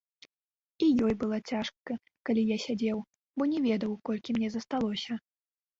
І ёй было цяжка, калі я сядзеў, бо не ведаў, колькі мне засталося.